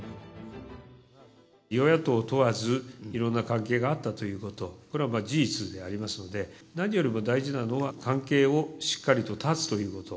与野党を問わず、いろんな関係があったということ、これは事実でありますので、何よりも大事なのは、関係をしっかりと断つということ。